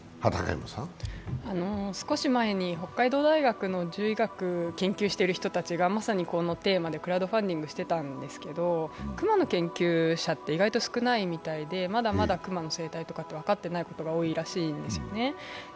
少し前に北海道大学の獣医学を研究している人たちがまさに、このテーマでクラウドファンディングしてたんですけど、クマの研究者って意外と少ないみたいでまだまだクマの生態って分かってないことが多いらしいですね。